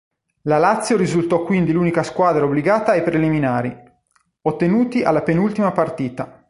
La Lazio risultò quindi l'unica squadra obbligata ai preliminari, ottenuti alla penultima partita.